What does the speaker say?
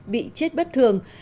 bị chết bất thường